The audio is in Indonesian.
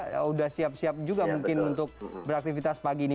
sudah siap siap juga mungkin untuk beraktivitas pagi ini